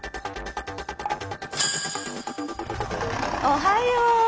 おはよう。